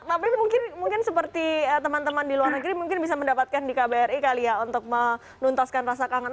tapi mungkin seperti teman teman di luar negeri mungkin bisa mendapatkan di kbri kali ya untuk menuntaskan rasa kangen